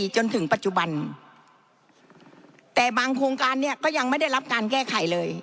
จนถึงปัจจุบันแต่บางโครงการเนี่ยก็ยังไม่ได้รับการแก้ไขเลย